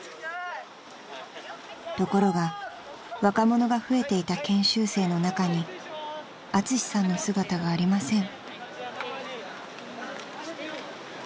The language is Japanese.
［ところが若者が増えていた研修生の中にアツシさんの姿がありません］